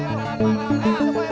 majuaris yang badol